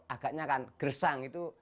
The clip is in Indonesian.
agaknya kan gersang itu